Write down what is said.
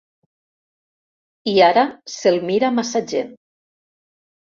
I ara se'l mira massa gent.